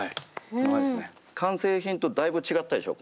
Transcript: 完成品とだいぶ違ったでしょ